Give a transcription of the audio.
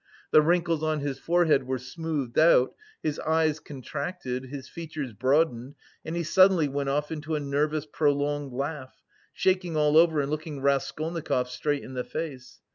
The wrinkles on his forehead were smoothed out, his eyes contracted, his features broadened and he suddenly went off into a nervous prolonged laugh, shaking all over and looking Raskolnikov straight in the face.